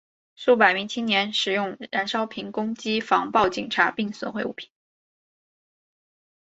数百名青年使用燃烧瓶攻击防暴警察并损毁物品。